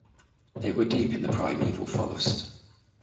They were deep in the primeval forest.